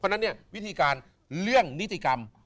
เพราะฉะนั้นเนี่ยวิธีการเรื่องนิติกรรม